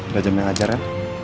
gak jaman ngajar ya